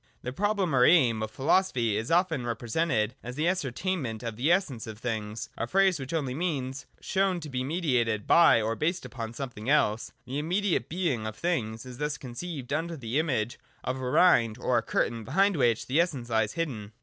The problem or aim of philosophy is often represented as the ascertain ment of the essence of things : a phrase which only means that things instead of being left in their immediacy, must be shown to be mediated by, or based upon, something else. The immediate Being of things is thus conceived under the image of a rind or curtain behind which the Essence lies hidden.